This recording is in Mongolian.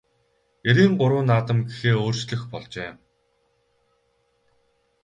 Эрийн гурван наадам гэхээ өөрчлөх болжээ.